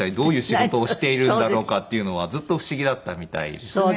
どういう仕事をしているんだろうかっていうのはずっと不思議だったみたいですね。